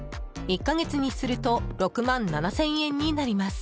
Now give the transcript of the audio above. １か月にすると６万７０００円になります。